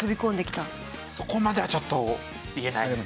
そこまではちょっと言えないですね。